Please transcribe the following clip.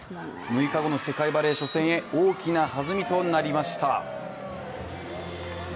６日後の世界バレー初戦へ大きな弾みとなりました。